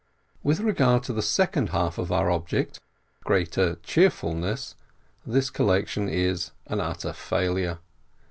With regard to the second half of our object, greater cheerfulness, this collection is an utter failure.